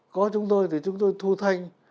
có chúng tôi thì chúng tôi thu thanh